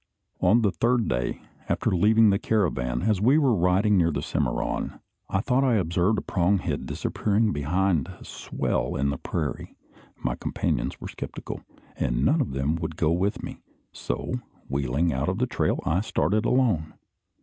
On the third day after leaving the caravan, as we were riding near the Cimmaron, I thought I observed a pronged head disappearing behind a swell in the prairie. My companions were sceptical, and none of them would go with me; so, wheeling out of the trail, I started alone.